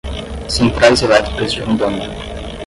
Centrais Elétricas de Rondônia